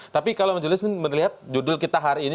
tapi kalau mas julis ini melihat judul kita hari ini